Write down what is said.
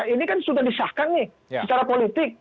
ini kan sudah disahkan nih secara politik